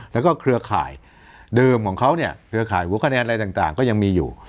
แล้วก็เครือข่ายเดิมของเขาเนี่ยเครือข่ายหัวคะแนนอะไรต่างก็ยังมีอยู่